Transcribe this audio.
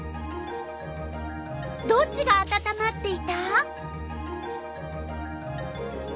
どっちがあたたまっていた？